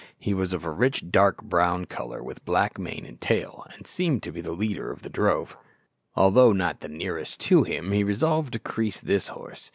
He was of a rich dark brown colour, with black mane and tail, and seemed to be the leader of the drove. Although not the nearest to him, he resolved to crease this horse.